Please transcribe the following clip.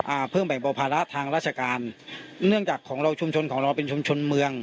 เพิ่มแบ่งเบาภาระทางราชการเนื่องจากของเราชุมชนของเราเป็นชุมชนเมือง